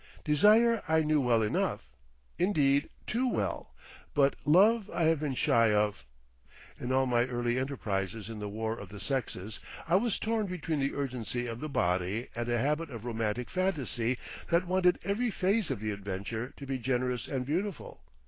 Desire I knew well enough—indeed, too well; but love I have been shy of. In all my early enterprises in the war of the sexes, I was torn between the urgency of the body and a habit of romantic fantasy that wanted every phase of the adventure to be generous and beautiful.